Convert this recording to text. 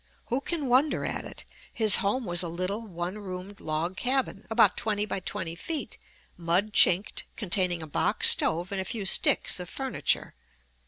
Who can wonder at it? His home was a little, one roomed log cabin, about twelve by twenty feet, mud chinked, containing a box stove and a few sticks of furniture.